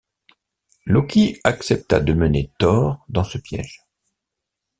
Loki accepta de mener Thor dans ce piège.